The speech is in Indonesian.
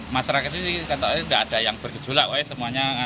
masyarakat itu kata kata nggak ada yang bergejolak semuanya